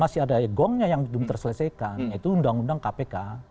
masih ada gongnya yang belum terselesaikan yaitu undang undang kpk